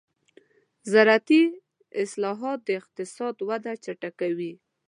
زراعتي اصلاحات د اقتصاد وده چټکوي.